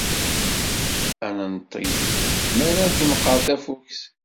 Ad nenṭeg mi ara d-tenqer tafukt.